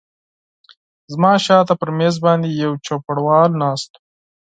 زما شاته پر مېز باندې یو چوپړوال ناست و.